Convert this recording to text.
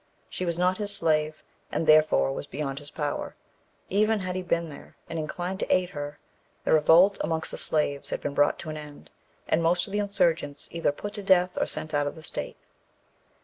She was not his slave, and therefore was beyond his power, even had he been there and inclined to aid her. The revolt amongst the slaves had been brought to an end, and most of the insurgents either put to death or sent out of the state.